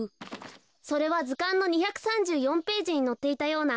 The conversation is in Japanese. それはずかんの２３４ページにのっていたような。